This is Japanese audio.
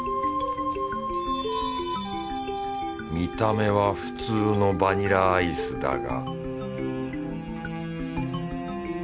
見た目は普通のバニラアイスだが